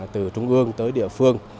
từ trung ương tới địa phương